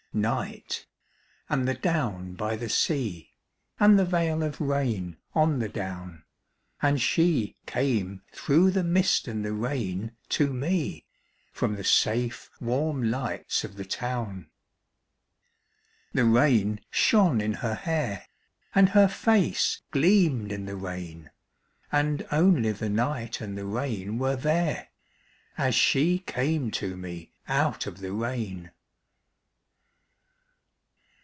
NIGHT, and the down by the sea, And the veil of rain on the down; And she came through the mist and the rain to me From the safe warm lights of the town. The rain shone in her hair, And her face gleamed in the rain; And only the night and the rain were there As she came to me out of the rain.